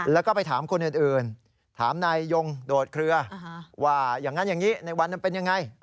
แล้วก็ไปถามคนอื่นถามนายยงโดดเคลือว่าอย่างนั้นอย่างนี้ในวันนั้นเป็นยังไง